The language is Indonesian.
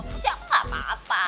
terus ya aku gak apa apa